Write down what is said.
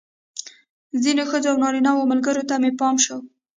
ځینو ښځینه او نارینه ملګرو ته مې پام شو.